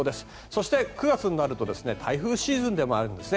そして９月になると台風シーズンでもあります。